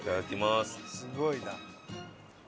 すごいな。